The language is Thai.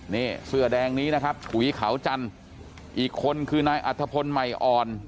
นี่เสื้อแดงนี้นะครับฉุยเขาจันทร์อีกคนคือนายอัธพลใหม่อ่อน